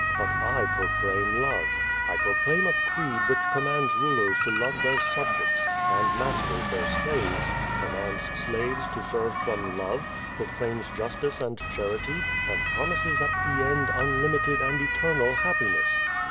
But I proclaim love. I proclaim a creed which commands rulers to love their subjects, and masters their slaves, commands slaves to serve from love, proclaims justice and charity, and promises at the end unlimited and eternal happiness.